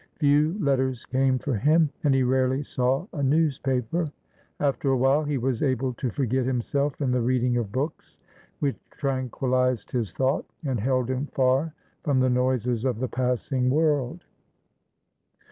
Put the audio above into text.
Few letters came for him, and he rarely saw a newspaper. After a while he was able to forget himself in the reading of books which tranquillised his thought, and held him far from the noises of the passing world.